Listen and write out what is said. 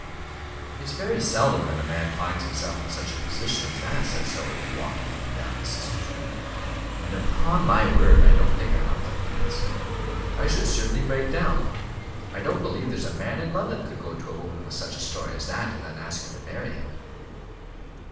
"It is very seldom that a man finds himself in such a position as that," said Sowerby, walking up and down his sister's room; "and, upon my word, I don't think I am up to the task. I should certainly break down. I don't believe there's a man in London could go to a woman with such a story as that, and then ask her to marry him."